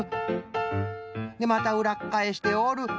でまたうらっかえしておる。